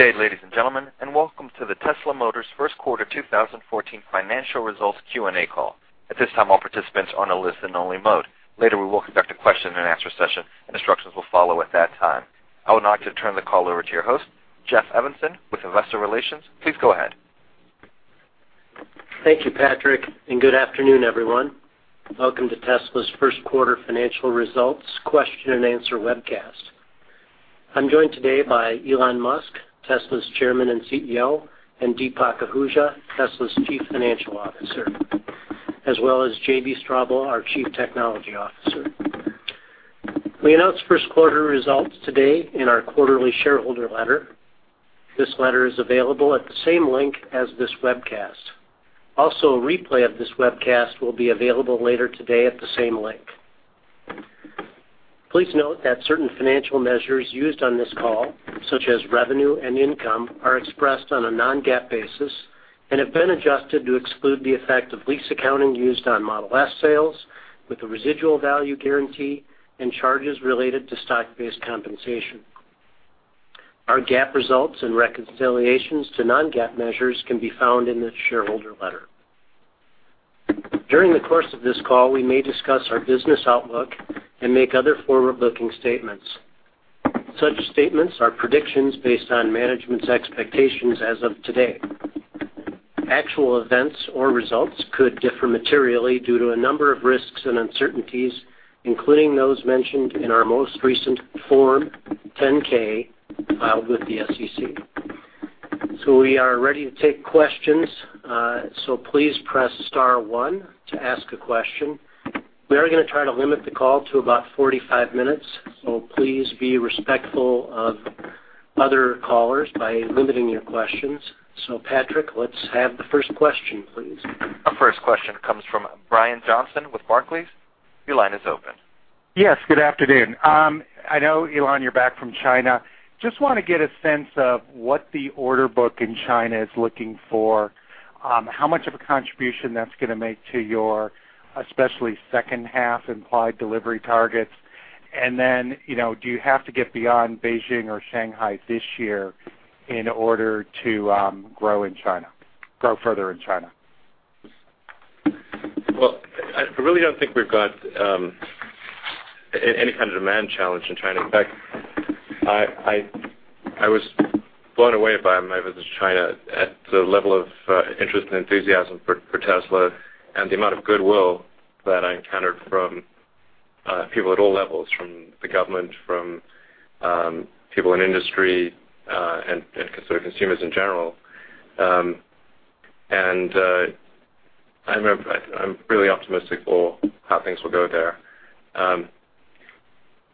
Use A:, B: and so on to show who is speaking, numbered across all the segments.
A: Good day, ladies and gentlemen, and welcome to the Tesla Motors' First Quarter 2014 Financial Results Q&A call. At this time, all participants are on a listen only mode. Later we will conduct a question and answer session, and instructions will follow at that time. I would now like to turn the call over to your host, Jeff Evanson with Investor Relations. Please go ahead.
B: Thank you, Patrick, and good afternoon, everyone. Welcome to Tesla's First Quarter Financial Results Question and Answer webcast. I'm joined today by Elon Musk, Tesla's Chairman and CEO, and Deepak Ahuja, Tesla's Chief Financial Officer, as well as JB Straubel, our Chief Technology Officer. We announced First Quarter results today in our quarterly shareholder letter. This letter is available at the same link as this webcast. Also, a replay of this webcast will be available later today at the same link. Please note that certain financial measures used on this call, such as revenue and income, are expressed on a non-GAAP basis and have been adjusted to exclude the effect of lease accounting used on Model S sales with a residual value guarantee and charges related to stock-based compensation. Our GAAP results and reconciliations to non-GAAP measures can be found in the shareholder letter. During the course of this call, we may discuss our business outlook and make other forward-looking statements. Such statements are predictions based on management's expectations as of today. Actual events or results could differ materially due to a number of risks and uncertainties, including those mentioned in our most recent Form 10-K filed with the SEC. We are ready to take questions. Please press star one to ask a question. We are going to try to limit the call to about 45 minutes, please be respectful of other callers by limiting your questions. Patrick, let's have the first question, please.
A: Our first question comes from Brian Johnson with Barclays. Your line is open.
C: Yes, good afternoon. I know, Elon, you're back from China. Just want to get a sense of what the order book in China is looking for, how much of a contribution that's going to make to your especially second half implied delivery targets. Do you have to get beyond Beijing or Shanghai this year in order to grow further in China?
D: Well, I really don't think we've got any kind of demand challenge in China. In fact, I was blown away by my visit to China at the level of interest and enthusiasm for Tesla and the amount of goodwill that I encountered from people at all levels, from the government, from people in industry, and consumers in general. I'm really optimistic for how things will go there.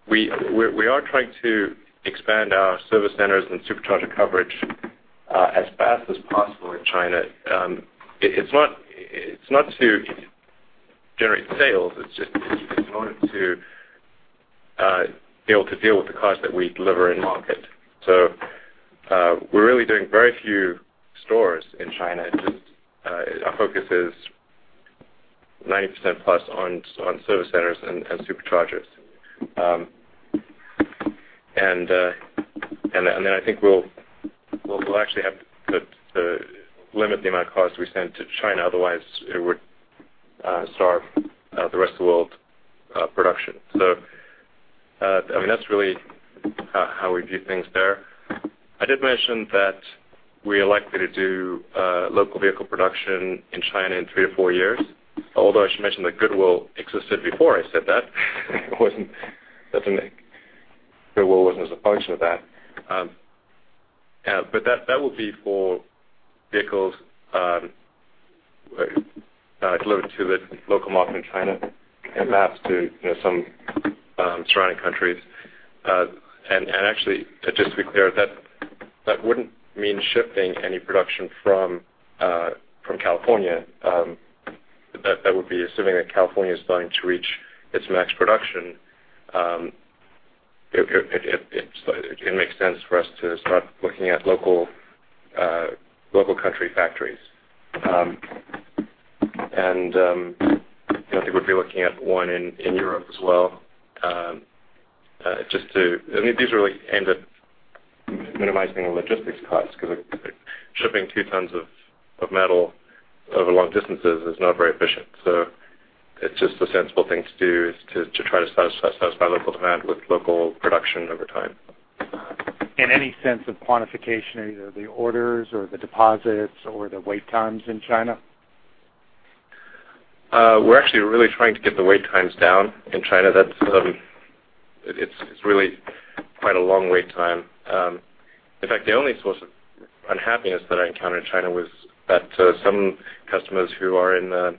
D: We are trying to expand our service centers and Supercharger coverage as fast as possible in China. It's not to generate sales, it's just in order to be able to deal with the cars that we deliver in-market. We're really doing very few stores in China. Our focus is 90% plus on service centers and Superchargers. I think we'll actually have to limit the amount of cars we send to China, otherwise it would starve the rest of the world production. That's really how we view things there. I did mention that we are likely to do local vehicle production in China in three to four years, although I should mention that goodwill existed before I said that. Goodwill wasn't as a function of that. That will be for vehicles delivered to the local market in China and perhaps to some surrounding countries. Just to be clear, that wouldn't mean shifting any production from California. That would be assuming that California's going to reach its max production. It makes sense for us to start looking at local country factories. I think we'd be looking at one in Europe as well. These are really aimed at minimizing the logistics costs, because shipping two tons of metal over long distances is not very efficient. It's just the sensible thing to do is to try to satisfy local demand with local production over time.
C: Any sense of quantification of either the orders or the deposits or the wait times in China?
D: We're actually really trying to get the wait times down in China. It's really quite a long wait time. In fact, the only source of unhappiness that I encountered in China was that some customers who are in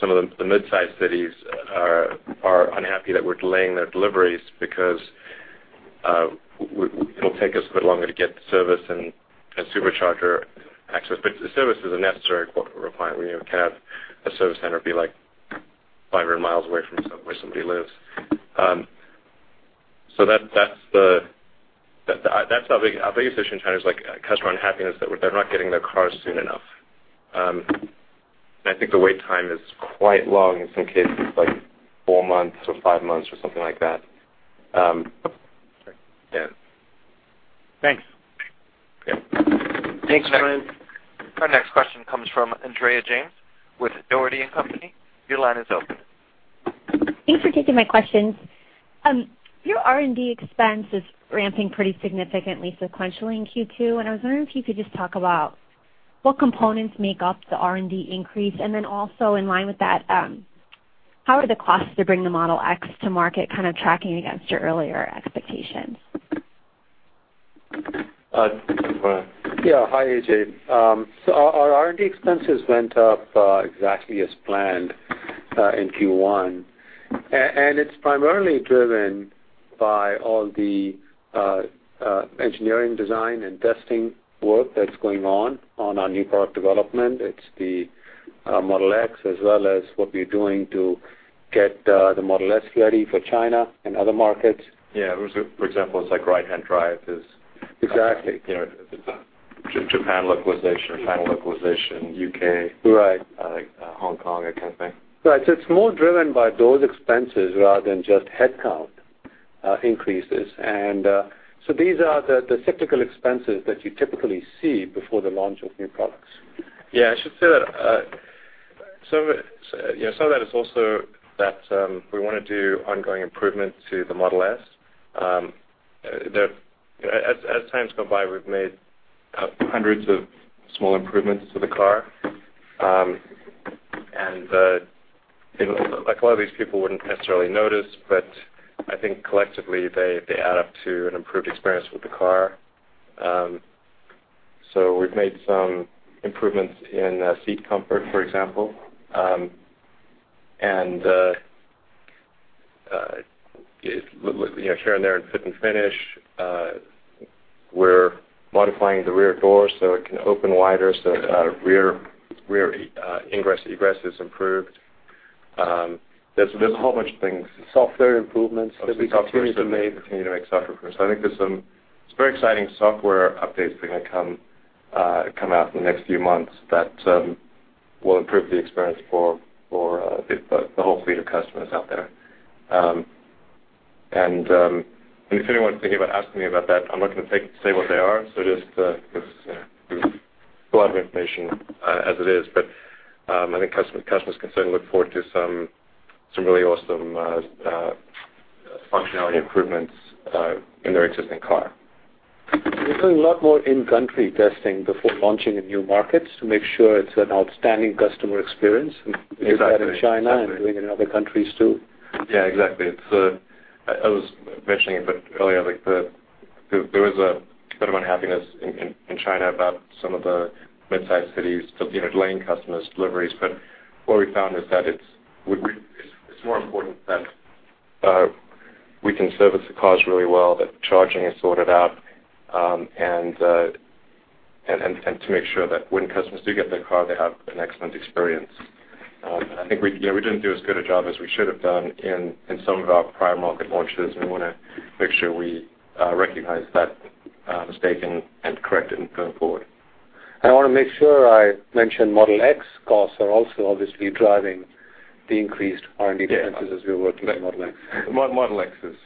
D: some of the mid-sized cities are unhappy that we're delaying their deliveries because it'll take us a bit longer to get the service and Supercharger access. The service is a necessary requirement. We can't have a service center be 500 miles away from where somebody lives. Our biggest issue in China is customer unhappiness that they're not getting their cars soon enough. I think the wait time is quite long in some cases, like four months or five months or something like that. Yeah.
E: Thanks.
D: Yeah.
B: Thanks, Brian.
A: Our next question comes from Andrea James with Dougherty & Company. Your line is open.
F: Thanks for taking my questions. Your R&D expense is ramping pretty significantly sequentially in Q2. I was wondering if you could just talk about what components make up the R&D increase. Also in line with that, how are the costs to bring the Model X to market kind of tracking against your earlier expectations?
D: This is Brian.
E: Yeah. Hi, AJ. Our R&D expenses went up exactly as planned in Q1. It's primarily driven by all the engineering design and testing work that's going on our new product development. It's the Model X as well as what we're doing to get the Model S ready for China and other markets.
D: Yeah. For example, it's like right-hand drive.
E: Exactly
D: Japan localization or China localization, U.K.
E: Right
D: Hong Kong, that kind of thing.
E: Right. It's more driven by those expenses rather than just headcount increases. These are the cyclical expenses that you typically see before the launch of new products.
D: Yeah, I should say that some of that is also that we want to do ongoing improvements to the Model S. As times go by, we've made hundreds of small improvements to the car. A lot of these people wouldn't necessarily notice, but I think collectively they add up to an improved experience with the car. We've made some improvements in seat comfort, for example, and here and there in fit and finish. We're modifying the rear door so it can open wider so rear ingress, egress is improved. There's a whole bunch of things.
E: Software improvements that we continue to make.
D: Continue to make software improvements. I think there's some very exciting software updates going to come out in the next few months that will improve the experience for the whole fleet of customers out there. If anyone's thinking about asking me about that, I'm not going to say what they are, so just because there's a lot of information as it is. I think customers can certainly look forward to some really awesome functionality improvements in their existing car.
E: We're doing a lot more in-country testing before launching in new markets to make sure it's an outstanding customer experience.
D: Exactly.
E: We did that in China and doing it in other countries, too.
D: Yeah, exactly. I was mentioning it a bit earlier, there was a bit of unhappiness in China about some of the midsize cities delaying customers' deliveries. What we found is that it's more important that we can service the cars really well, that charging is sorted out, and to make sure that when customers do get their car they have an excellent experience. I think we didn't do as good a job as we should have done in some of our prior market launches, and we want to make sure we recognize that mistake and correct it going forward.
E: I want to make sure I mention Model X costs are also obviously driving the increased R&D-
D: Yeah
E: expenses as we're working on Model X.
D: Model X is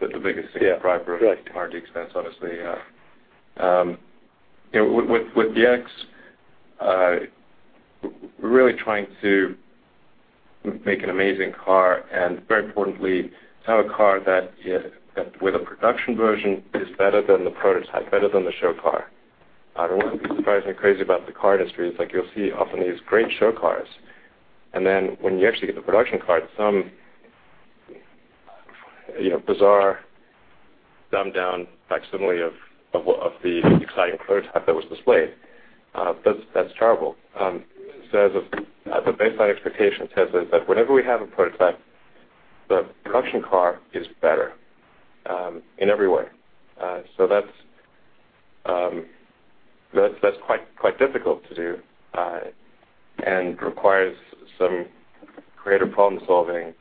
D: the biggest thing-
E: Yeah
D: driver of R&D expense, honestly. With the X, we're really trying to make an amazing car and very importantly have a car that with a production version is better than the prototype, better than the show car. One of the surprising crazy about the car industry is you'll see often these great show cars and then when you actually get the production car, some bizarre dumbed-down facsimile of the exciting prototype that was displayed. That's terrible. The baseline expectation is that whenever we have a prototype, the production car is better in every way. That's quite difficult to do and requires some creative problem-solving.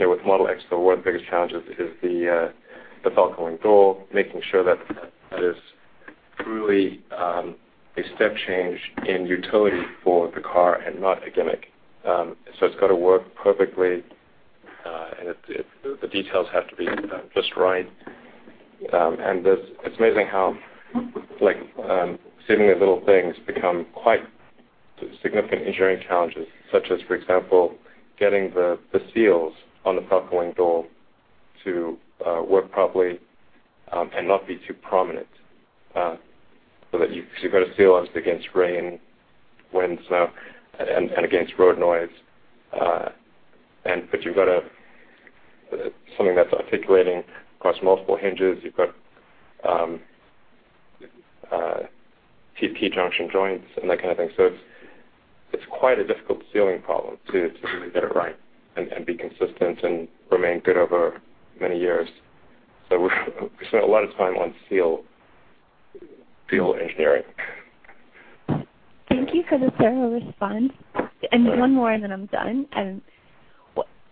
D: With Model X, one of the biggest challenges is the Falcon Wing door, making sure that that is truly a step change in utility for the car and not a gimmick. It's got to work perfectly, and the details have to be just right. It's amazing how seemingly little things become quite significant engineering challenges, such as, for example, getting the seals on the Falcon Wing door to work properly and not be too prominent. You've got to seal against rain, wind, snow, and against road noise. You've got something that's articulating across multiple hinges. You've got TP junction joints and that kind of thing. It's quite a difficult sealing problem to really get it right and be consistent and remain good over many years. We spent a lot of time on seal engineering.
F: Thank you for the thorough response. One more and then I'm done.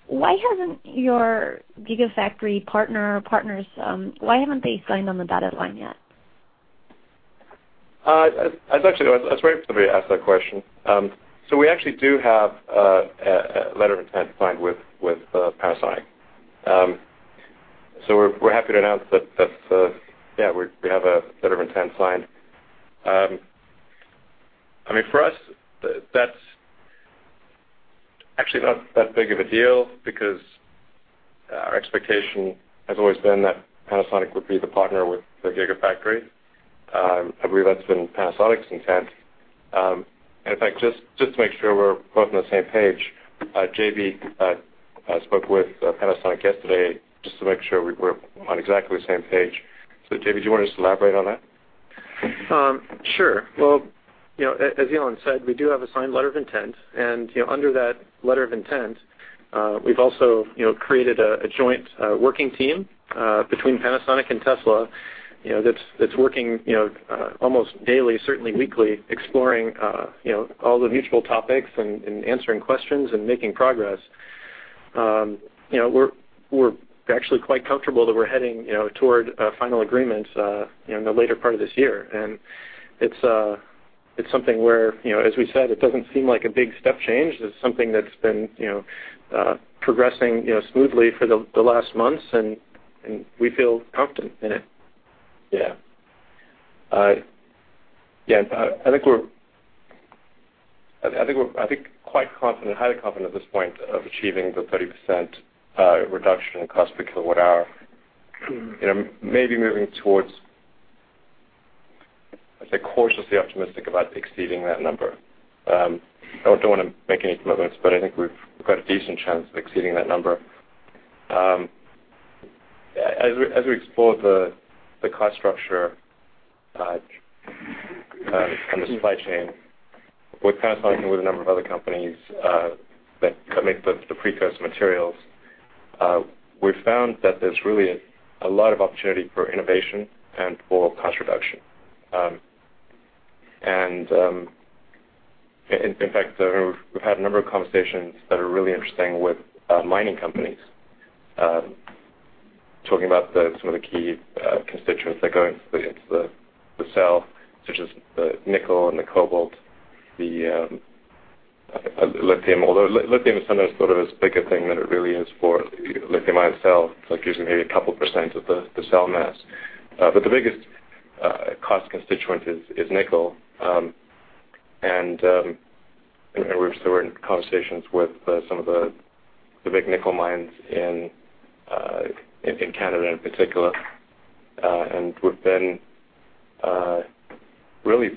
F: Why hasn't your Gigafactory partners, why haven't they signed on the dotted line yet?
D: That's actually, that's very somebody to ask that question. We actually do have a letter of intent signed with Panasonic. We're happy to announce that, yeah, we have a letter of intent signed. I mean, for us, that's actually not that big of a deal because our expectation has always been that Panasonic would be the partner with the Gigafactory. I believe that's been Panasonic's intent. In fact, just to make sure we're both on the same page, JB spoke with Panasonic yesterday just to make sure we're on exactly the same page. JB, do you want to just elaborate on that?
G: Sure. Well, as Elon said, we do have a signed letter of intent. Under that letter of intent, we've also created a joint working team between Panasonic and Tesla that's working almost daily, certainly weekly, exploring all the mutual topics and answering questions and making progress. We're actually quite comfortable that we're heading toward a final agreement in the later part of this year. It's something where, as we said, it doesn't seem like a big step change. It's something that's been progressing smoothly for the last months, and we feel confident in it.
D: Yeah. I think quite confident, highly confident at this point of achieving the 30% reduction in cost per kilowatt-hour. Maybe moving towards, I'd say cautiously optimistic about exceeding that number. I don't want to make any commitments, but I think we've got a decent chance of exceeding that number. As we explore the cost structure and the supply chain with Panasonic and with a number of other companies that make the precursor materials, we've found that there's really a lot of opportunity for innovation and for cost reduction. In fact, we've had a number of conversations that are really interesting with mining companies, talking about some of the key constituents that go into the cell, such as the nickel and the cobalt, the lithium, although lithium is sometimes thought of as a bigger thing than it really is for lithium-ion cells. It's usually a couple % of the cell mass. The biggest cost constituent is nickel. We're still in conversations with some of the big nickel mines in Canada, in particular. We've been really,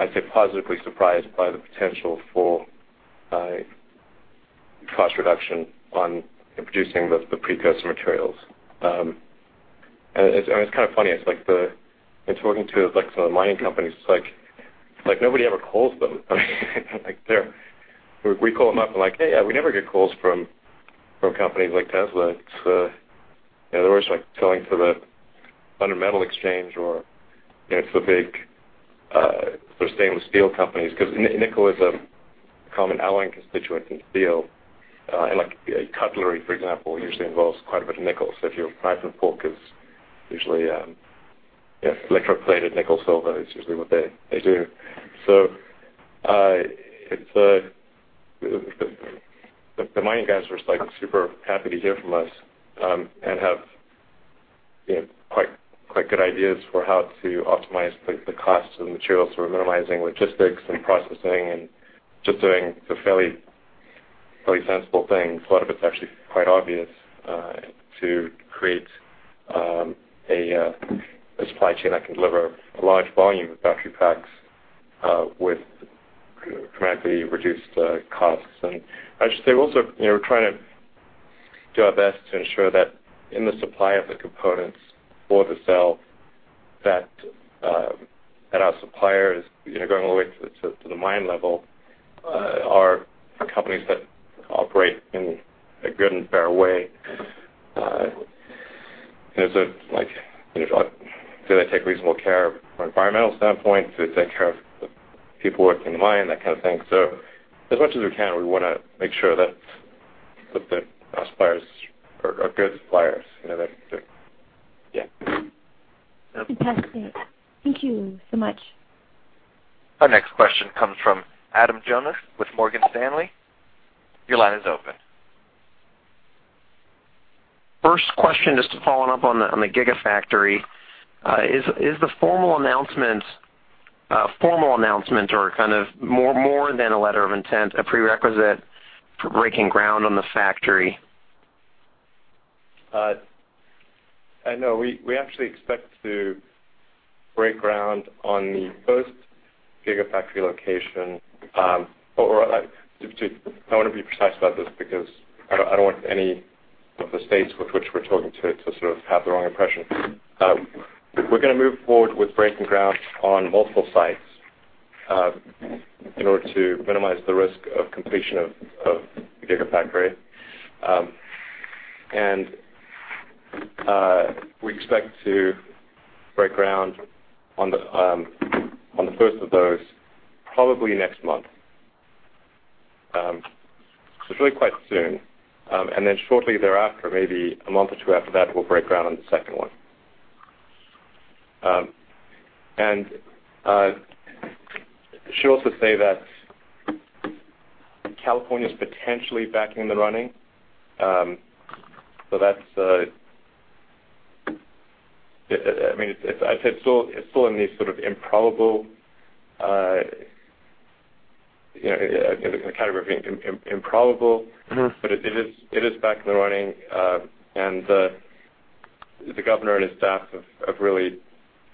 D: I'd say, positively surprised by the potential for cost reduction on producing the precursor materials. It's kind of funny, it's like in talking to some of the mining companies, it's like nobody ever calls them. We call them up, and like, "Hey, yeah, we never get calls from companies like Tesla." In other words, like going to The London Metal Exchange or to the big stainless steel companies, because nickel is a common alloying constituent in steel. Cutlery, for example, usually involves quite a bit of nickel. If your knife and fork is usually electroplated nickel silver, is usually what they do. The mining guys were super happy to hear from us and have quite good ideas for how to optimize the cost of the materials. We're minimizing logistics and processing and just doing the fairly sensible thing. A lot of it's actually quite obvious to create a supply chain that can deliver a large volume of battery packs with dramatically reduced costs. I should say also, we're trying to do our best to ensure that in the supply of the components for the cell, that our suppliers, going all the way to the mine level, are companies that operate in a good and fair way. Do they take reasonable care from an environmental standpoint? Do they take care of the people working in the mine? That kind of thing. As much as we can, we want to make sure that our suppliers are good suppliers. Yeah.
F: Fantastic. Thank you so much.
A: Our next question comes from Adam Jonas with Morgan Stanley. Your line is open.
H: First question, just following up on the Gigafactory. Is the formal announcement or kind of more than a letter of intent, a prerequisite for breaking ground on the factory?
D: No. We actually expect to break ground on the first Gigafactory location, or I want to be precise about this because I don't want any of the states with which we're talking to sort of have the wrong impression. We're going to move forward with breaking ground on multiple sites in order to minimize the risk of completion of the Gigafactory. We expect to break ground on the first of those probably next month. It's really quite soon. Shortly thereafter, maybe a month or two after that, we'll break ground on the second one. I should also say that California's potentially back in the running. It's still in this sort of improbable, in the category of improbable- It is back in the running. The governor and his staff have really,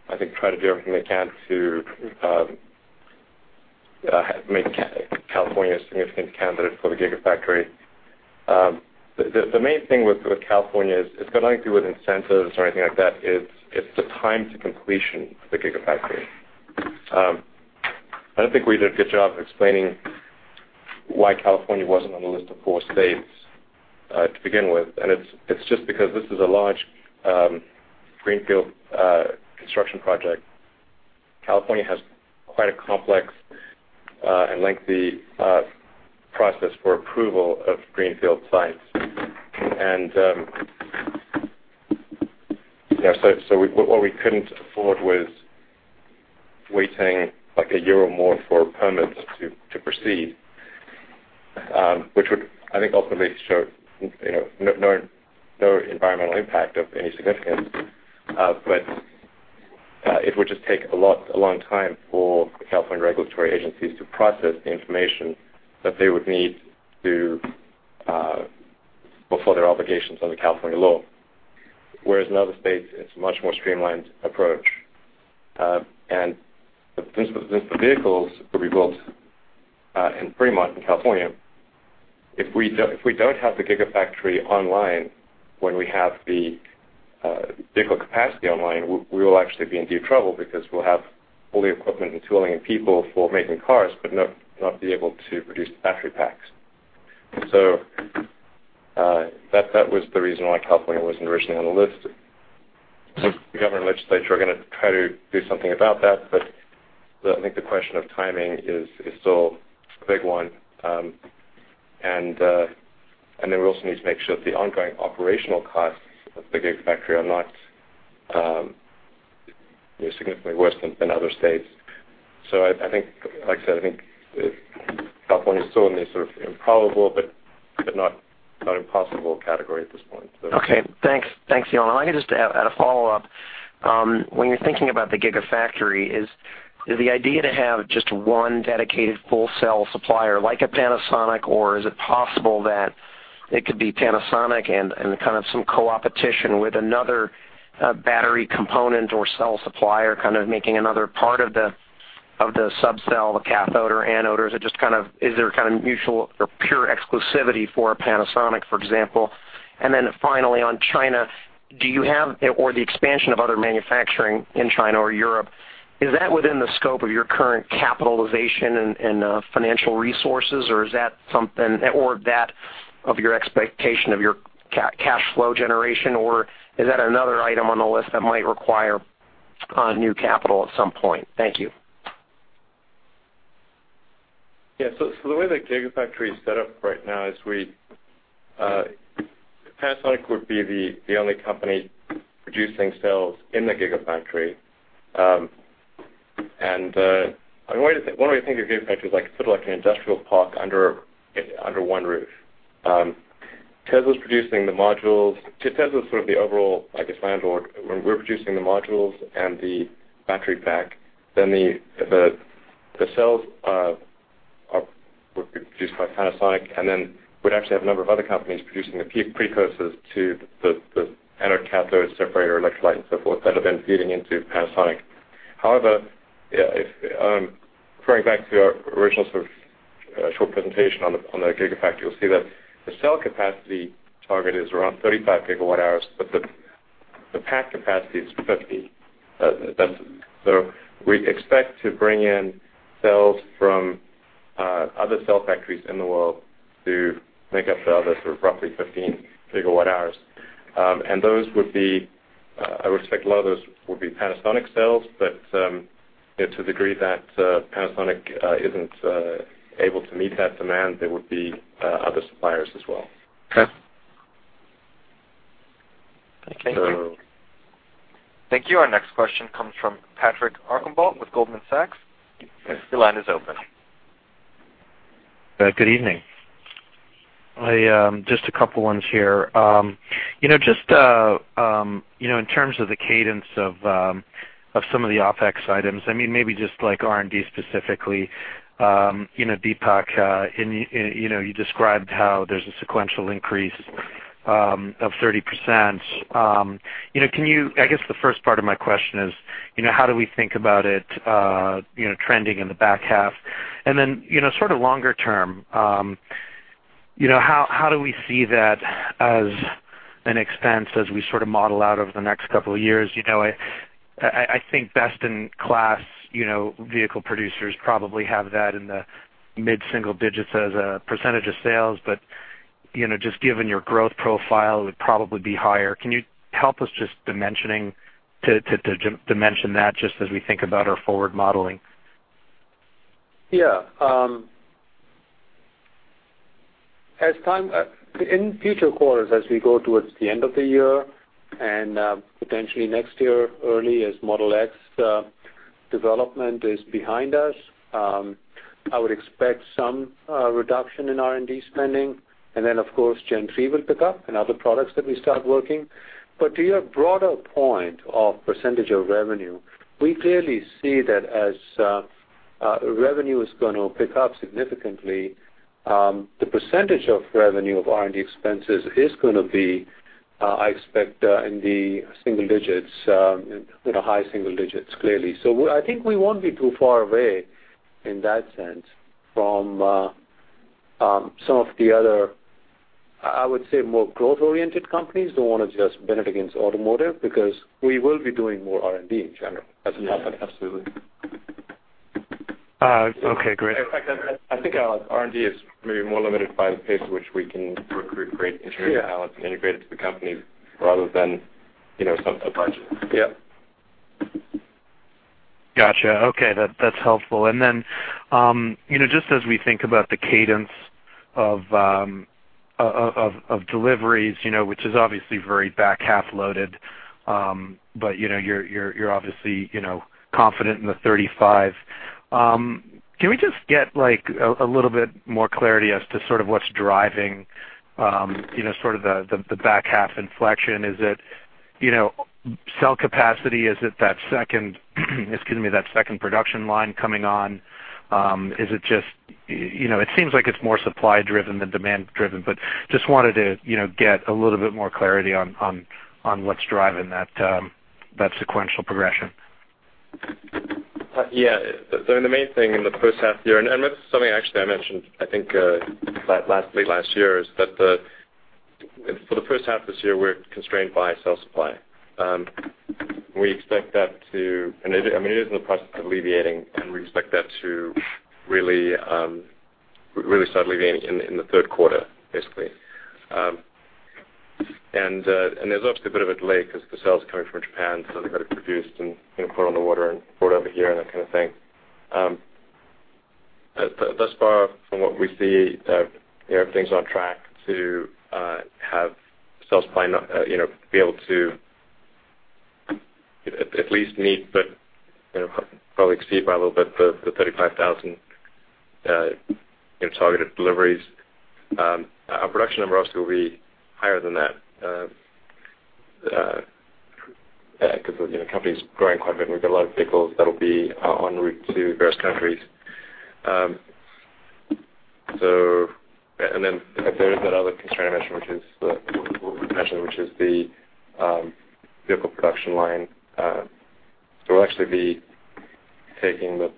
D: I think, tried to do everything they can to make California a significant candidate for the Gigafactory. The main thing with California is, it's got nothing to do with incentives or anything like that. It's the time to completion of the Gigafactory. I don't think we did a good job explaining why California wasn't on the list of four states to begin with. It's just because this is a large greenfield construction project. California has quite a complex and lengthy process for approval of greenfield sites. What we couldn't afford was waiting, like a year or more for permits to proceed, which would, I think ultimately show no environmental impact of any significance. It would just take a long time for the California regulatory agencies to process the information that they would need to fulfill their obligations under California law. Whereas in other states, it's a much more streamlined approach. Since the vehicles will be built in Fremont, in California, if we don't have the Gigafactory online when we have the vehicle capacity online, we will actually be in deep trouble because we'll have all the equipment and tooling and people for making cars but not be able to produce the battery packs. That was the reason why California wasn't originally on the list. The government legislature are going to try to do something about that, I think the question of timing is still a big one. We also need to make sure that the ongoing operational costs of the Gigafactory are not significantly worse than other states. Like I said, I think California is still in this sort of improbable but not impossible category at this point.
H: Okay. Thanks, Elon. I'd like just to add a follow-up. When you're thinking about the Gigafactory, is the idea to have just one dedicated full cell supplier like a Panasonic, or is it possible that it could be Panasonic and kind of some co-opetition with another battery component or cell supplier kind of making another part of the sub-cell, the cathode or anode? Is there kind of mutual or pure exclusivity for Panasonic, for example? Finally on China or the expansion of other manufacturing in China or Europe, is that within the scope of your current capitalization and financial resources, or is that something, or that of your expectation of your cash flow generation, or is that another item on the list that might require new capital at some point? Thank you.
D: Yeah. The way the Gigafactory is set up right now is Panasonic would be the only company producing cells in the Gigafactory. One way to think of the Gigafactory is like sort of like an industrial park under one roof. Tesla's producing the modules. Tesla's sort of the overall, I guess landlord. We're producing the modules and the battery pack. The cells would be produced by Panasonic, we'd actually have a number of other companies producing the precursors to the anode, cathode, separator, electrolyte and so forth that are then feeding into Panasonic. However, referring back to our original sort of short presentation on the Gigafactory, you'll see that the cell capacity target is around 35 gigawatt hours, but the pack capacity is 50. We expect to bring in cells from other cell factories in the world to make up the other sort of roughly 15 gigawatt hours. I would expect a lot of those would be Panasonic cells, but to the degree that Panasonic isn't able to meet that demand, there would be other suppliers as well.
H: Okay. Thank you.
D: So.
A: Thank you. Our next question comes from Patrick Archambault with Goldman Sachs. Your line is open.
I: Good evening. Just a couple ones here. Just in terms of the cadence of some of the OpEx items, maybe just like R&D specifically, Deepak, you described how there's a sequential increase of 30%. I guess the first part of my question is, how do we think about it trending in the back half? Sort of longer term, how do we see that as an expense as we sort of model out over the next couple of years? I think best-in-class vehicle producers probably have that in the mid-single digits as a percentage of sales. Just given your growth profile, it would probably be higher. Can you help us just to mention that just as we think about our forward modeling?
E: Yeah. In future quarters, as we go towards the end of the year and potentially next year early as Model X development is behind us, I would expect some reduction in R&D spending. Of course, Gen 3 will pick up and other products that we start working. To your broader point of percentage of revenue, we clearly see that as revenue is going to pick up significantly, the percentage of revenue of R&D expenses is going to be, I expect, in the single digits, high single digits, clearly. I think we won't be too far away in that sense from some of the other, I would say, more growth-oriented companies. Don't want to just pit it against automotive, because we will be doing more R&D in general as a company.
D: Yeah, absolutely.
I: Okay, great.
D: In fact, I think our R&D is maybe more limited by the pace at which we can recruit great engineering talent and integrate it to the company rather than a budget.
E: Yeah.
I: Got you. Okay. That's helpful. Then, just as we think about the cadence of deliveries, which is obviously very back-half loaded, but you're obviously confident in the 35. Can we just get a little bit more clarity as to sort of what's driving the back-half inflection? Is it cell capacity? Is it that second production line coming on? It seems like it's more supply-driven than demand-driven, but just wanted to get a little bit more clarity on what's driving that sequential progression.
D: Yeah. The main thing in the first half of the year, this is something actually I mentioned, I think late last year, is that for the first half of this year, we're constrained by cell supply. We're in the process of alleviating, and we expect that to really start alleviating in the third quarter, basically. There's obviously a bit of a delay because the cells are coming from Japan, so they've got to be produced and put on the water and brought over here and that kind of thing. Thus far, from what we see, everything's on track to have cell supply be able to at least meet, but probably exceed by a little bit, the 35,000 targeted deliveries. Our production number also will be higher than that because the company's growing quite a bit, and we've got a lot of vehicles that'll be on route to various countries. Then there is that other constraint I mentioned, which is the vehicle production line. We'll actually be taking the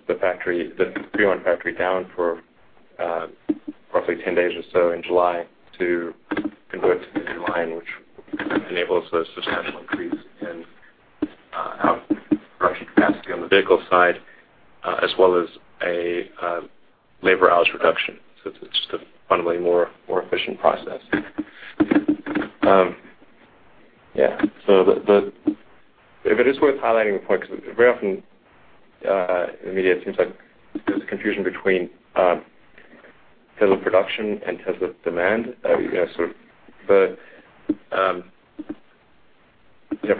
D: Fremont factory down for roughly 10 days or so in July to convert to the new line, which enables a substantial increase in our production capacity on the vehicle side as well as a labor hours reduction. It's just a fundamentally more efficient process. It is worth highlighting the point because very often in the media, it seems like there's confusion between Tesla production and Tesla demand. For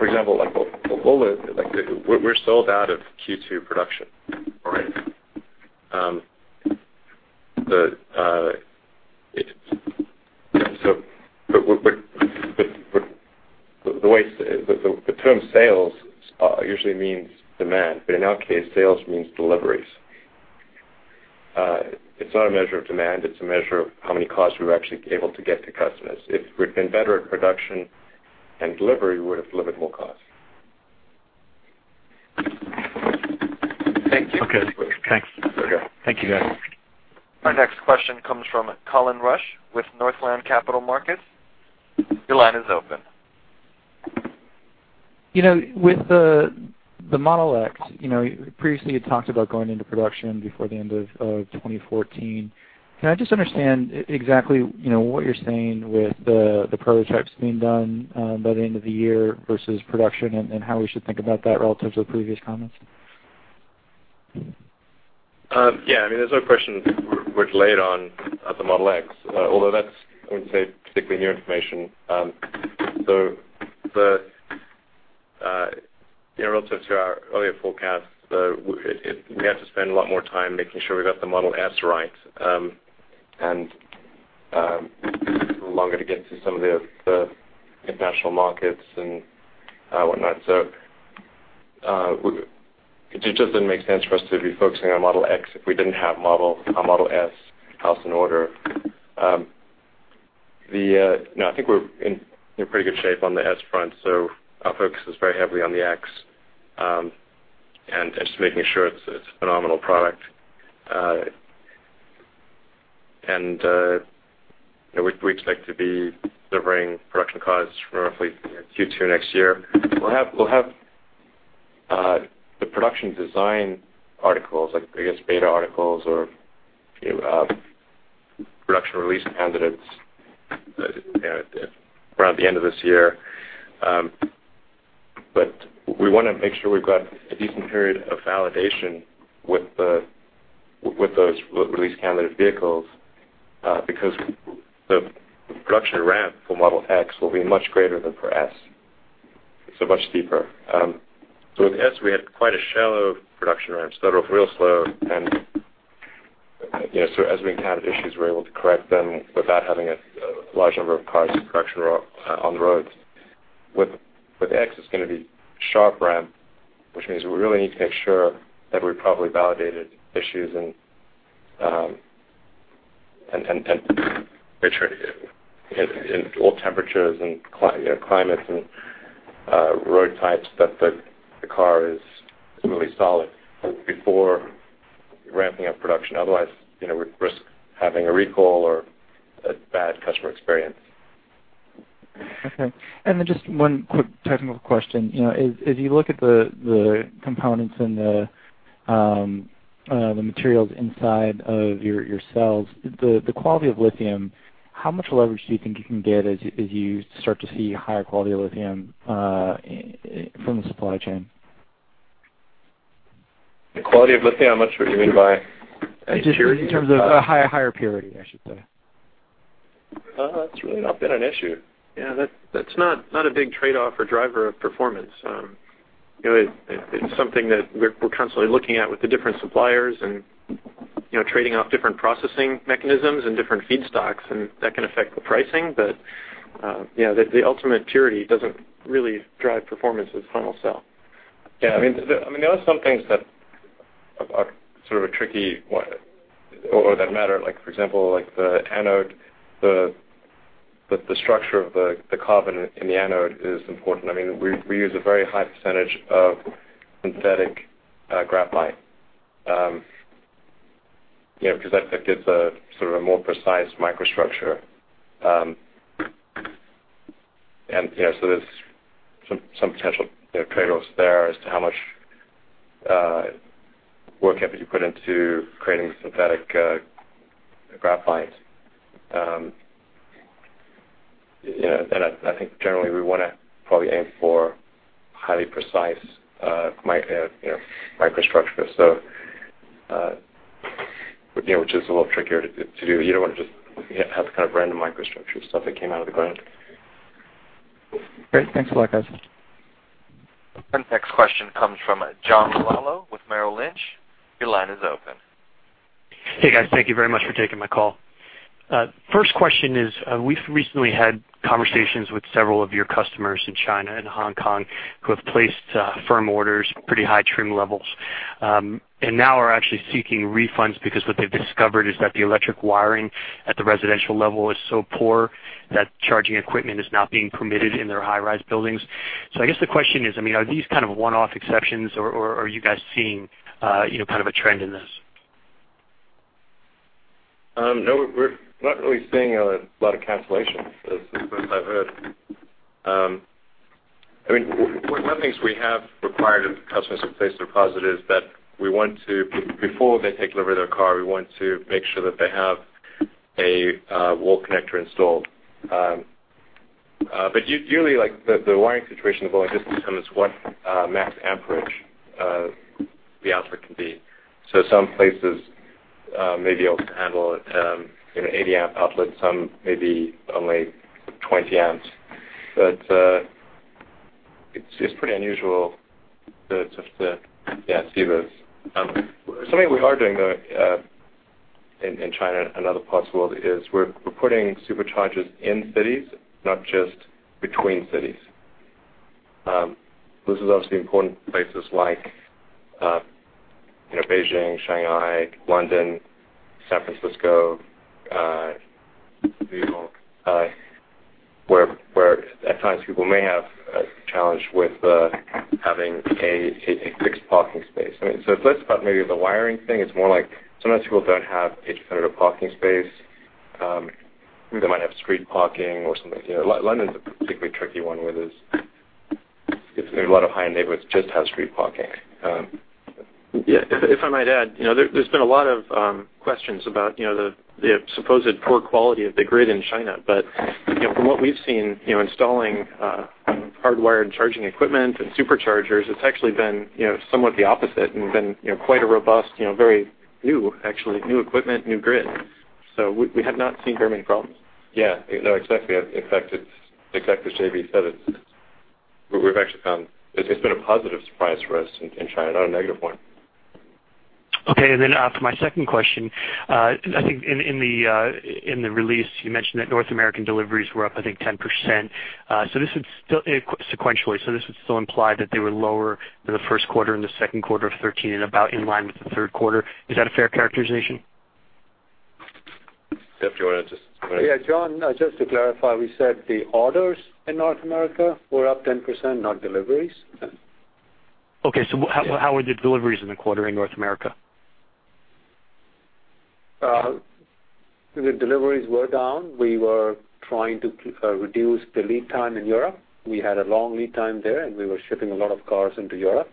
D: example, like for Tesla, we're sold out of Q2 production already. The term sales usually means demand, but in our case, sales means deliveries. It's not a measure of demand. It's a measure of how many cars we were actually able to get to customers. If we'd been better at production and delivery, we would've delivered more cars.
E: Thank you.
I: Okay. Thanks.
D: Okay.
I: Thank you, guys.
A: Our next question comes from Colin Rusch with Northland Capital Markets. Your line is open.
J: With the Model X, previously you talked about going into production before the end of 2014. Can I just understand exactly what you're saying with the prototypes being done by the end of the year versus production and how we should think about that relative to previous comments?
D: Yeah. There's no question we're delayed on the Model X, although that's, I wouldn't say particularly new information. Relative to our earlier forecasts, we had to spend a lot more time making sure we got the Model S right and took longer to get to some of the international markets and whatnot. It just didn't make sense for us to be focusing on Model X if we didn't have our Model S house in order. I think we're in pretty good shape on the S front, our focus is very heavily on the X and just making sure it's a phenomenal product. We expect to be delivering production cars from roughly Q2 next year. We'll have the production design articles, like biggest beta articles or production release candidates around the end of this year. We want to make sure we've got a decent period of validation with those release candidate vehicles, because the production ramp for Model X will be much greater than for S. Much steeper. With S, we had quite a shallow production ramp. Started off real slow, and as we encountered issues, we were able to correct them without having a large number of cars in production or on the roads. With X, it's going to be a sharp ramp, which means we really need to make sure that we properly validated issues and mature in all temperatures and climates and road types that the car is really solid before ramping up production. Otherwise, we risk having a recall or a bad customer experience.
J: Okay. Just one quick technical question. As you look at the components and the materials inside of your cells, the quality of lithium, how much leverage do you think you can get as you start to see higher quality lithium from the supply chain?
D: The quality of lithium? How much do you mean by that?
J: Just in terms of a higher purity, I should say.
D: It's really not been an issue.
G: Yeah, that's not a big trade-off or driver of performance. It's something that we're constantly looking at with the different suppliers and trading off different processing mechanisms and different feedstocks, and that can affect the pricing. The ultimate purity doesn't really drive performance of the final cell.
D: Yeah, there are some things that are sort of a tricky one or that matter, for example, like the anode, the structure of the carbon in the anode is important. We use a very high percentage of synthetic graphite, because that gives a more precise microstructure. There's some potential trade-offs there as to how much work can be put into creating synthetic graphites. I think generally we want to probably aim for highly precise microstructure. Which is a little trickier to do. You don't want to just have random microstructure stuff that came out of the ground.
J: Great. Thanks a lot, guys.
A: Our next question comes from John Lovallo with Merrill Lynch. Your line is open.
K: Hey, guys. Thank you very much for taking my call. First question is, we've recently had conversations with several of your customers in China and Hong Kong who have placed firm orders, pretty high trim levels, and now are actually seeking refunds because what they've discovered is that the electric wiring at the residential level is so poor that charging equipment is not being permitted in their high-rise buildings. I guess the question is, are these kind of one-off exceptions or are you guys seeing a trend in this?
D: No, we're not really seeing a lot of cancellations, as best I've heard. One of the things we have required of customers who place their deposit is that before they take delivery of their car, we want to make sure that they have a wall connector installed. Usually, the wiring situation will just determine what max amperage the output can be. Some places may be able to handle an 80-amp outlet, some may be only 20 amps. It's pretty unusual to see those. Something we are doing, though, in China and other parts of the world, is we're putting Superchargers in cities, not just between cities. This is obviously important in places like Beijing, Shanghai, London, San Francisco, New York, where at times people may have a challenge with having a fixed parking space. It's less about maybe the wiring thing. It's more like sometimes people don't have a dedicated parking space. They might have street parking or something. London's a particularly tricky one with this. A lot of high-end neighborhoods just have street parking.
G: If I might add, there's been a lot of questions about the supposed poor quality of the grid in China. From what we've seen, installing hardwired charging equipment and Superchargers, it's actually been somewhat the opposite and been quite a robust, very new, actually, new equipment, new grid. We have not seen very many problems.
D: Exactly. In fact, exactly as JB said, we've actually found it's been a positive surprise for us in China, not a negative one.
K: For my second question, I think in the release, you mentioned that North American deliveries were up, I think, 10%, sequentially. This would still imply that they were lower than the first quarter and the second quarter of 2013 and about in line with the third quarter. Is that a fair characterization?
D: Jeff, do you want to answer?
B: John, just to clarify, we said the orders in North America were up 10%, not deliveries.
K: How were the deliveries in the quarter in North America?
E: The deliveries were down. We were trying to reduce the lead time in Europe. We had a long lead time there, and we were shipping a lot of cars into Europe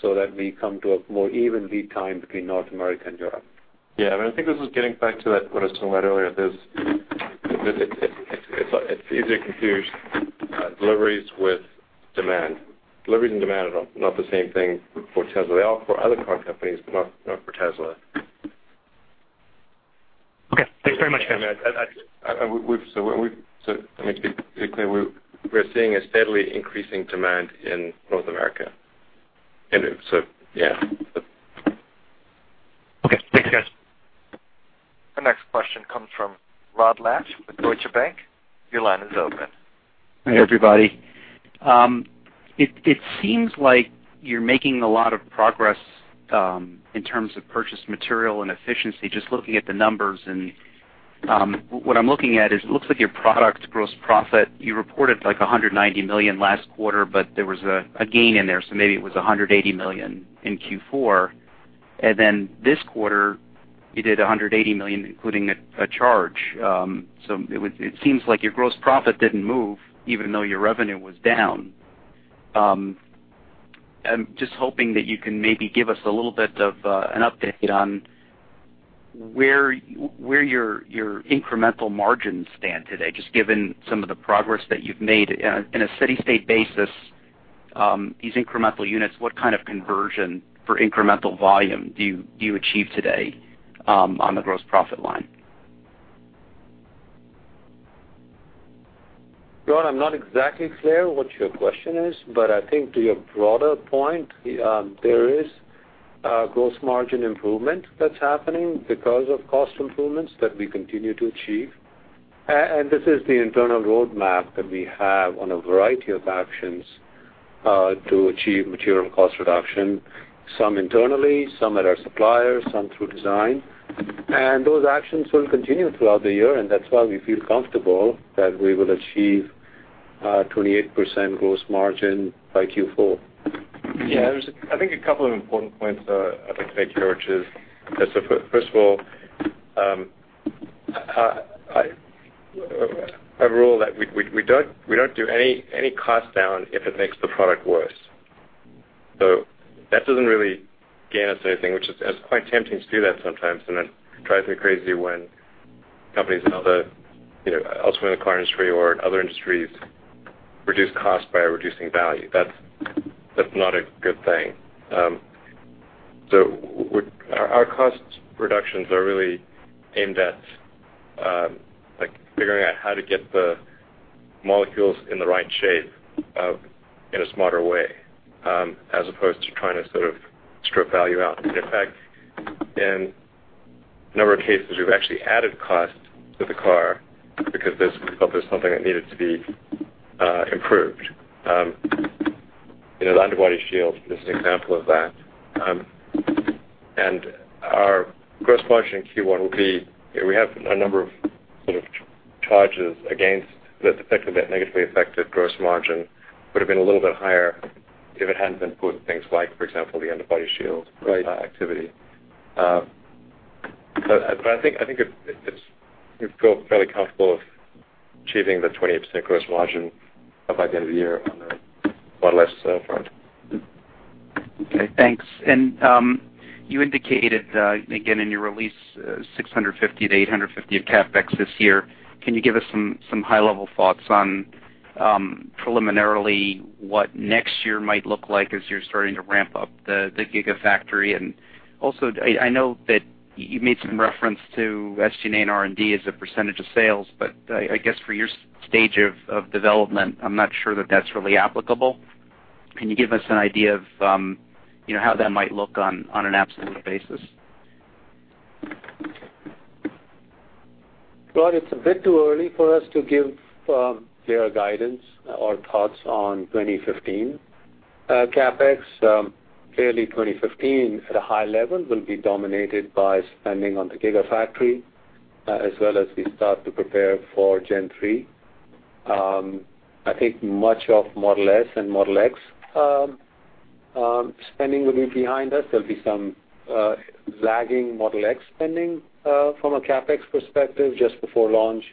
E: so that we come to a more even lead time between North America and Europe.
D: I think this is getting back to what I was talking about earlier, it's easier to confuse deliveries with demand. Deliveries and demand are not the same thing for Tesla. They are for other car companies, but not for Tesla.
K: Okay. Thanks very much, guys.
D: Let me be clear, we're seeing a steadily increasing demand in North America.
K: Okay, thanks, guys.
A: The next question comes from Rod Lache with Deutsche Bank. Your line is open.
L: Hi, everybody. It seems like you're making a lot of progress in terms of purchased material and efficiency, just looking at the numbers. What I'm looking at is it looks like your product gross profit, you reported like $190 million last quarter, but there was a gain in there, so maybe it was $180 million in Q4. This quarter you did $180 million, including a charge. It seems like your gross profit didn't move even though your revenue was down. I'm just hoping that you can maybe give us a little bit of an update on where your incremental margins stand today, just given some of the progress that you've made in a steady state basis these incremental units, what kind of conversion for incremental volume do you achieve today on the gross profit line?
E: Rod, I'm not exactly clear what your question is, but I think to your broader point, there is a gross margin improvement that's happening because of cost improvements that we continue to achieve. This is the internal roadmap that we have on a variety of actions, to achieve material cost reduction, some internally, some at our suppliers, some through design. Those actions will continue throughout the year, and that's why we feel comfortable that we will achieve a 28% gross margin by Q4.
D: Yeah, there's, I think, a couple of important points I'd like to make here, which is, first of all, a rule that we don't do any cost-down if it makes the product worse. That doesn't really gain us anything, which it's quite tempting to do that sometimes. It drives me crazy when companies in other, elsewhere in the car industry or other industries reduce cost by reducing value. That's not a good thing. Our cost reductions are really aimed at figuring out how to get the molecules in the right shape, in a smarter way, as opposed to trying to sort of strip value out. In fact, in a number of cases, we've actually added cost to the car because we felt there's something that needed to be improved. The underbody shield is an example of that. Our gross margin in Q1 will be, we have a number of sort of charges against that effectively that negatively affected gross margin. Would've been a little bit higher if it hadn't been for things like, for example, the underbody shield-
E: Right
D: activity. I think it's fairly comfortable achieving the 28% gross margin by the end of the year on the Model S front.
L: Okay, thanks. You indicated, again, in your release, $650-$850 of CapEx this year. Can you give us some high-level thoughts on preliminarily what next year might look like as you're starting to ramp up the Gigafactory? Also, I know that you made some reference to SG&A and R&D as a % of sales, I guess for your stage of development, I'm not sure that that's really applicable. Can you give us an idea of how that might look on an absolute basis?
E: Rod, it's a bit too early for us to give clear guidance or thoughts on 2015. CapEx, clearly 2015 at a high level will be dominated by spending on the Gigafactory, as well as we start to prepare for Gen3. I think much of Model S and Model X spending will be behind us. There'll be some lagging Model X spending, from a CapEx perspective, just before launch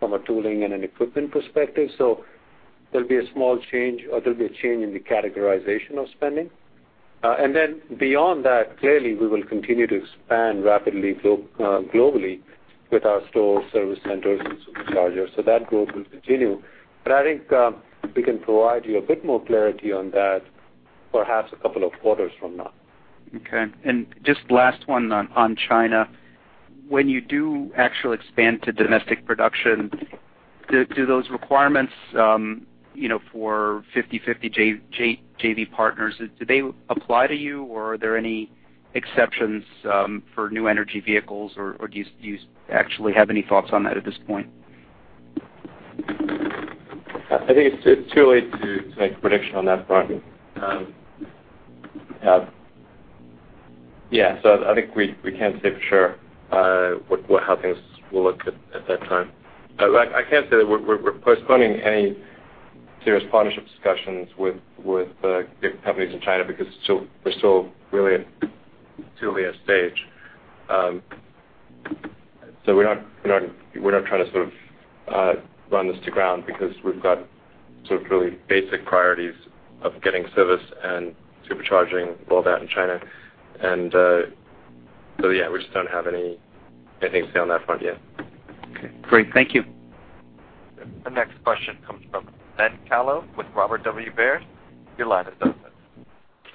E: from a tooling and an equipment perspective. There'll be a change in the categorization of spending. Then beyond that, clearly we will continue to expand rapidly globally with our store service centers and Superchargers. That growth will continue, I think we can provide you a bit more clarity on that perhaps a couple of quarters from now.
L: Okay. Just last one on China. When you do actually expand to domestic production, do those requirements for 50/50 JV partners, do they apply to you, or are there any exceptions for new energy vehicles, or do you actually have any thoughts on that at this point?
D: I think it's too early to make a prediction on that front. Yeah, I think we can't say for sure how things will look at that time. I can say that we're postponing any serious partnership discussions with the big companies in China because we're still really at an early stage. We're not trying to run this to ground because we've got really basic priorities of getting service and supercharging all that in China. Yeah, we just don't have anything to say on that front yet.
L: Okay, great. Thank you.
A: The next question comes from Ben Kallo with Robert W. Baird. Your line is open.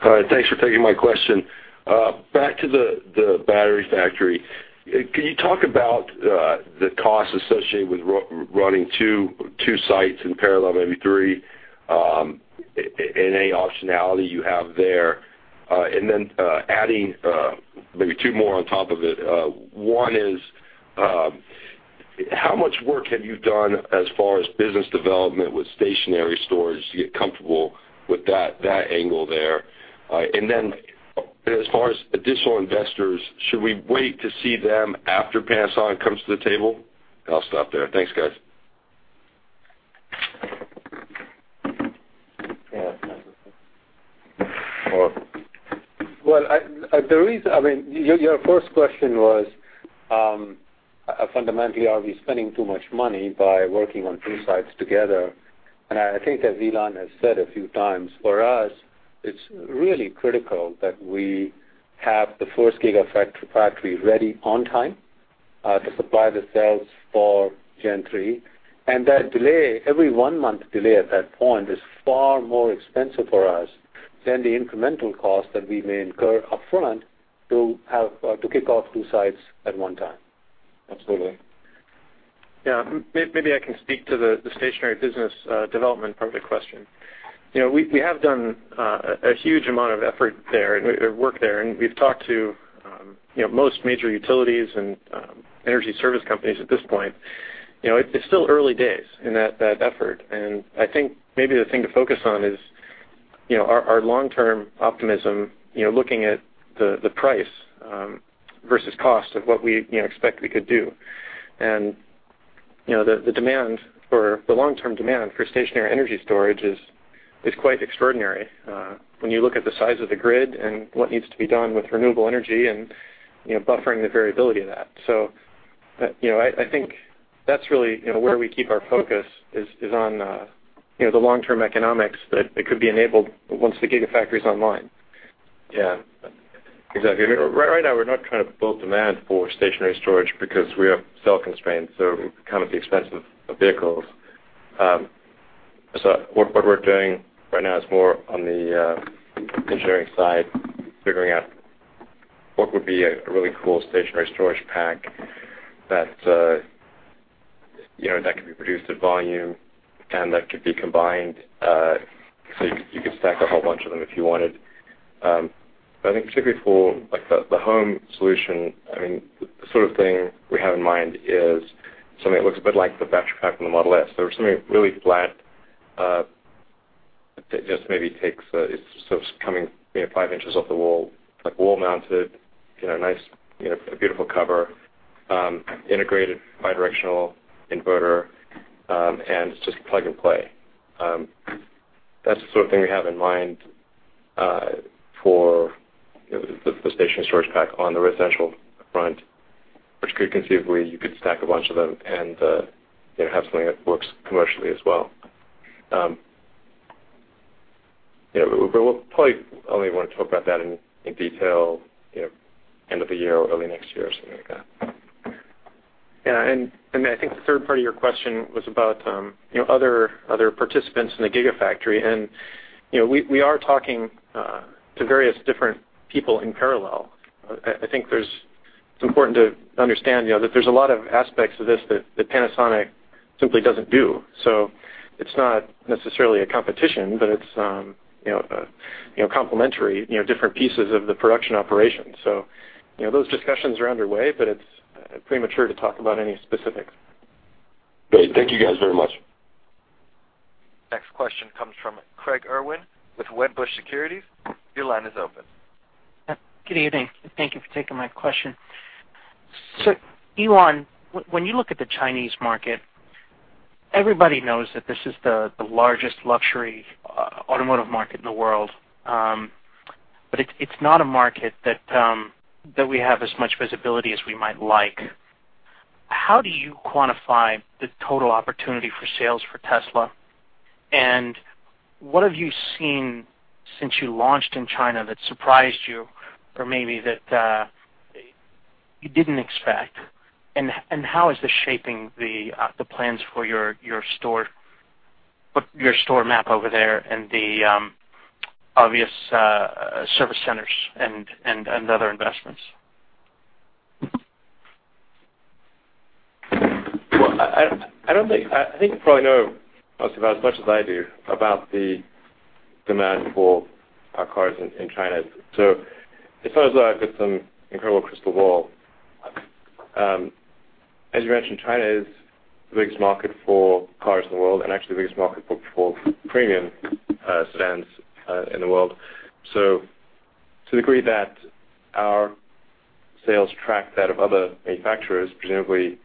M: All right, thanks for taking my question. Back to the battery factory, can you talk about the cost associated with running two sites in parallel, maybe three, any optionality you have there, and then adding maybe two more on top of it? One is, how much work have you done as far as business development with stationary storage to get comfortable with that angle there? As far as additional investors, should we wait to see them after Panasonic comes to the table? I'll stop there. Thanks, guys.
D: Yeah.
E: Well, your first question was, fundamentally, are we spending too much money by working on three sites together? I think as Elon has said a few times, for us, it's really critical that we have the first Gigafactory ready on time to supply the cells for Gen 3. Every one-month delay at that point is far more expensive for us than the incremental cost that we may incur upfront to kick off two sites at one time. Absolutely.
G: Yeah. Maybe I can speak to the stationary business development part of the question. We have done a huge amount of effort there and work there, we've talked to most major utilities and energy service companies at this point. It's still early days in that effort, I think maybe the thing to focus on is our long-term optimism, looking at the price versus cost of what we expect we could do. The long-term demand for stationary energy storage is quite extraordinary when you look at the size of the grid and what needs to be done with renewable energy and buffering the variability of that. I think that's really where we keep our focus is on the long-term economics that could be enabled once the Gigafactory's online.
D: Yeah, exactly. Right now, we're not trying to build demand for stationary storage because we have cell constraints, it would come at the expense of vehicles. What we're doing right now is more on the engineering side, figuring out what would be a really cool stationary storage pack that could be produced at volume that could be combined, you could stack a whole bunch of them if you wanted. I think particularly for the home solution, the sort of thing we have in mind is something that looks a bit like the battery pack from the Model S, something really flat, just maybe coming five inches off the wall-mounted, a beautiful cover, integrated bi-directional inverter, it's just plug and play. That's the sort of thing we have in mind for the stationary storage pack on the residential front, which could conceivably, you could stack a bunch of them and have something that works commercially as well. We'll probably only want to talk about that in detail end of the year or early next year or something like that.
G: Yeah, I think the third part of your question was about other participants in the Gigafactory, We are talking to various different people in parallel. I think it's important to understand that there's a lot of aspects of this that Panasonic simply doesn't do. It's not necessarily a competition, but it's complementary different pieces of the production operation. Those discussions are underway, but it's premature to talk about any specifics.
M: Great. Thank you guys very much.
A: Next question comes from Craig Irwin with Wedbush Securities. Your line is open.
N: Good evening. Thank you for taking my question. Elon, when you look at the Chinese market, everybody knows that this is the largest luxury automotive market in the world, it's not a market that we have as much visibility as we might like. How do you quantify the total opportunity for sales for Tesla? What have you seen since you launched in China that surprised you or maybe that you didn't expect? How is this shaping the plans for your store map over there and the obvious service centers and other investments?
D: I think you probably know almost about as much as I do about the demand for our cars in China. As far as I've got some incredible crystal ball. As you mentioned, China is the biggest market for cars in the world, and actually the biggest market for premium sedans in the world. To the degree that our sales track that of other manufacturers, presumably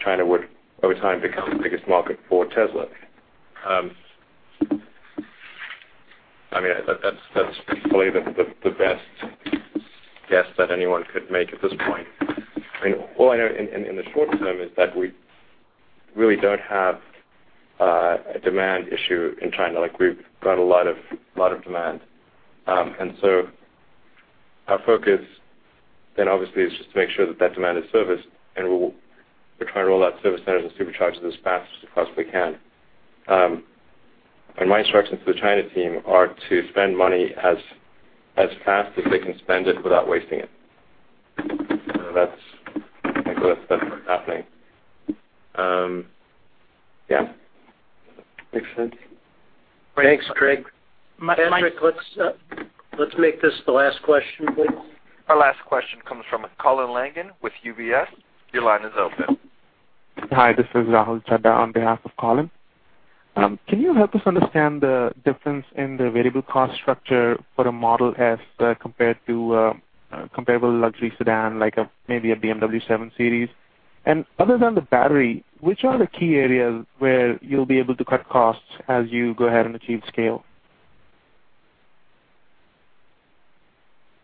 D: China would, over time, become the biggest market for Tesla. That's probably the best guess that anyone could make at this point. All I know in the short term is that we really don't have a demand issue in China. We've got a lot of demand. Our focus then obviously is just to make sure that that demand is serviced, and we're trying to roll out service centers and Superchargers as fast as we possibly can. My instructions to the China team are to spend money as fast as they can spend it without wasting it. I think that's what's happening. Yeah. Makes sense?
B: Thanks, Craig.
N: My-
B: Patrick, let's make this the last question, please.
A: Our last question comes from Colin Langan with UBS. Your line is open.
O: Hi, this is Rahul Chadha on behalf of Colin. Can you help us understand the difference in the variable cost structure for the Model S compared to a comparable luxury sedan, like maybe a BMW 7 Series? Other than the battery, which are the key areas where you'll be able to cut costs as you go ahead and achieve scale?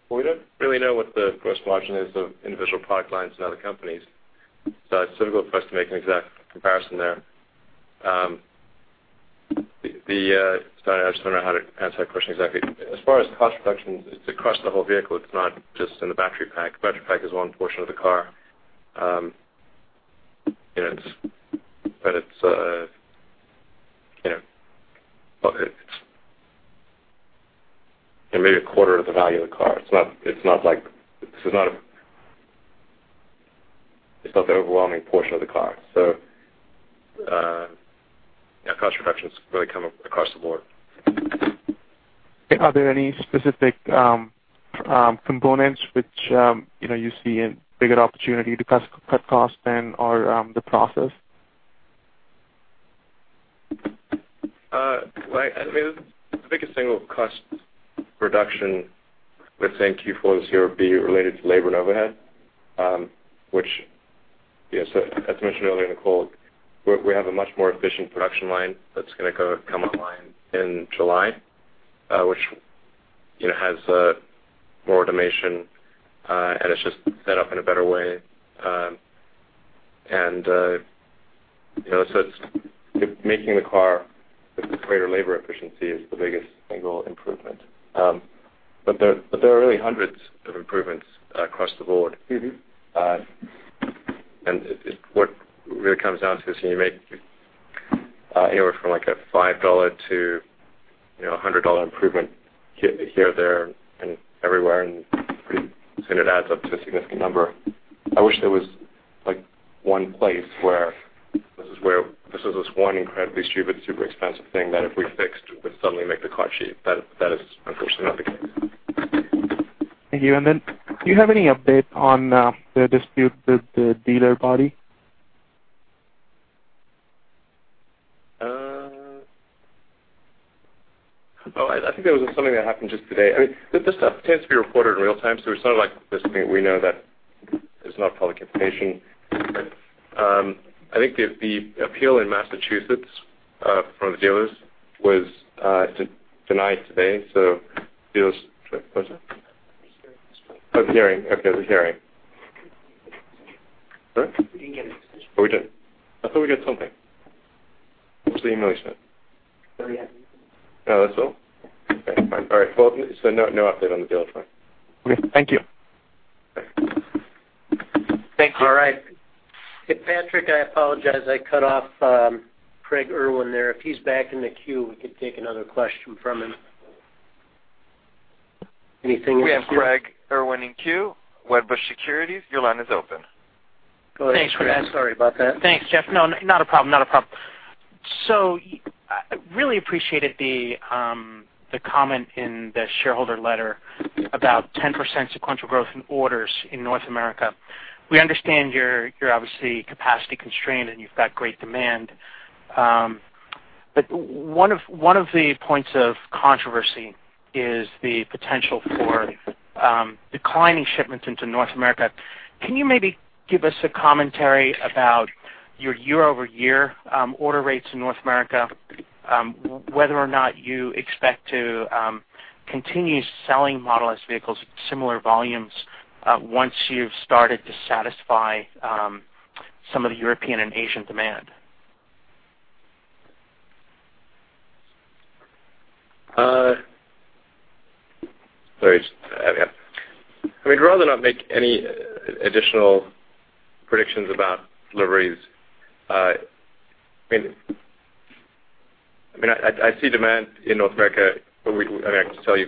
D: Well, we don't really know what the gross margin is of individual product lines in other companies. It's difficult for us to make an exact comparison there. Sorry, I just don't know how to answer that question exactly. As far as cost reductions, it's across the whole vehicle. It's not just in the battery pack. The battery pack is one portion of the car. It's maybe a quarter of the value of the car. It's not the overwhelming portion of the car. Cost reductions really come across the board.
O: Are there any specific components which you see a bigger opportunity to cut costs than, or the process?
D: The biggest single cost reduction, let's say in Q4 this year, would be related to labor and overhead, which as mentioned earlier in the call, we have a much more efficient production line that's going to come online in July, which has more automation, and it's just set up in a better way. It's making the car with greater labor efficiency is the biggest single improvement. There are really hundreds of improvements across the board. What it really comes down to is you make anywhere from a $5-$100 improvement here, there, and everywhere, and pretty soon it adds up to a significant number. I wish there was one place where this is this one incredibly stupid, super expensive thing that if we fixed, would suddenly make the car cheap. That is unfortunately not the case.
O: Thank you. Do you have any update on the dispute with the dealer body?
D: I think that was something that happened just today. This stuff tends to be reported in real-time, there's sort of this thing we know that is not public information. I think the appeal in Massachusetts, from the dealers, was denied today, dealers-- What?
N: Hearing this morning.
D: Oh, the hearing. Okay, the hearing.
N: We didn't get a decision.
D: Oh, we didn't? I thought we got something. What's the email you sent?
N: Don't have anything.
D: Oh, that's all? Okay, fine. All right. Well, no update on the dealer front.
O: Okay. Thank you.
D: Okay.
N: Thank you.
B: All right. Hey, Patrick, I apologize. I cut off Craig Irwin there. If he's back in the queue, we could take another question from him. Anything on the queue?
A: We have Craig Irwin in queue, Wedbush Securities, your line is open.
B: Go ahead, Craig.
D: Thanks, Craig.
B: Sorry about that.
N: Thanks, Jeff. No, not a problem. I really appreciated the comment in the shareholder letter about 10% sequential growth in orders in North America. We understand you're obviously capacity-constrained, and you've got great demand. One of the points of controversy is the potential for declining shipments into North America. Can you maybe give us a commentary about your year-over-year order rates in North America? Whether or not you expect to continue selling Model S vehicles at similar volumes once you've started to satisfy some of the European and Asian demand.
D: Sorry. We'd rather not make any additional predictions about deliveries. I see demand in North America, I can tell you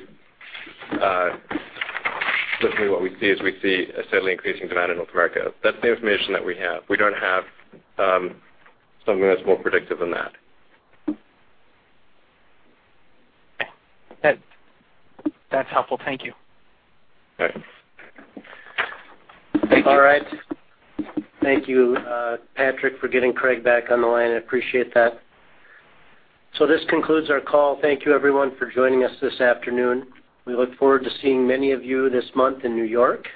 D: certainly what we see is we see a steadily increasing demand in North America. That's the information that we have. We don't have something that's more predictive than that.
N: That's helpful. Thank you.
D: Okay.
N: Thank you.
B: All right. Thank you, Patrick, for getting Craig back on the line. I appreciate that. This concludes our call. Thank you, everyone, for joining us this afternoon. We look forward to seeing many of you this month in New York.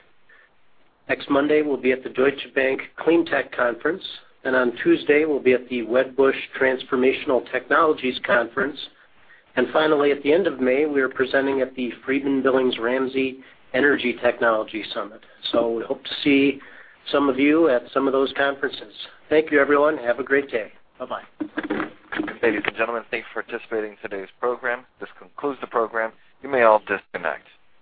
B: Next Monday, we'll be at the Deutsche Bank Clean Tech Conference. On Tuesday, we'll be at the Wedbush Transformational Technologies Conference. Finally, at the end of May, we are presenting at the FBR Energy Technology Summit. We hope to see some of you at some of those conferences. Thank you, everyone. Have a great day. Bye-bye.
A: Ladies and gentlemen, thank you for participating in today's program. This concludes the program. You may all disconnect.